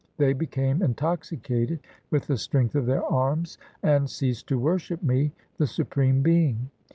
They became intoxicated with the strength of their arms, And ceased to worship Me, the Supreme Being.